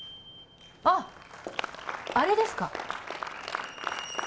あっあれですか？